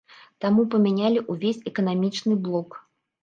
Таму памянялі ўвесь эканамічны блок.